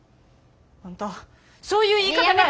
あんたそういう言い方がやな。